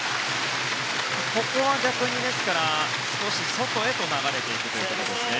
ここは逆に少し外へと流れていくということですね。